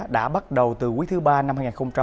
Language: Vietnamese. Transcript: đã bắt đầu từ quý thứ ba năm hai nghìn hai mươi